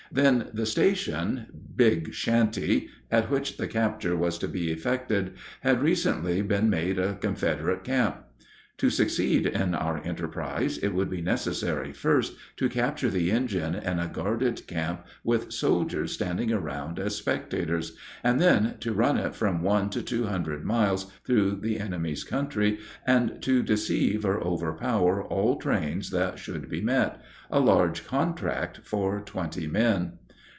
Then the station Big Shanty at which the capture was to be effected had recently been made a Confederate camp. To succeed in our enterprise it would be necessary first to capture the engine in a guarded camp with soldiers standing around as spectators, and then to run it from one to two hundred miles through the enemy's country, and to deceive or overpower all trains that should be met a large contract for twenty men.